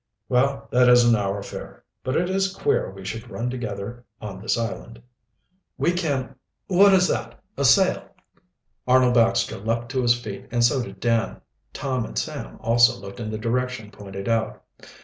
"Well, that isn't our affair. But it is queer we should run together on this island. We can What is that? A sail!" Arnold Baxter leaped to his feet, and so did Dan. Tom and Sam also looked in the direction pointed out.